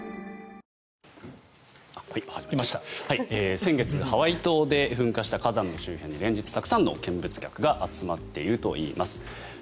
先月、ハワイ島で噴火した火山の周辺に連日たくさんの見物客が集まっているといいます。